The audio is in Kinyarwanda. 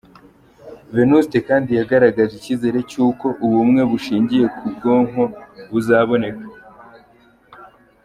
Venuste kandi yagaragaje icyizere cy’uko ubumwe bushingiye ku bwoko buzaboneka.